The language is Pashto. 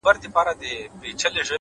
ریښتینی عزت اخیستل نه بلکې ګټل کېږي’